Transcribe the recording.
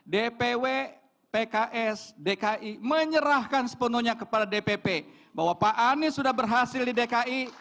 dpw pks dki menyerahkan sepenuhnya kepada dpp bahwa pak anies sudah berhasil di dki